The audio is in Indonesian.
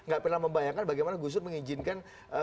gak pernah membayangkan bagaimana gus dur mengizinkan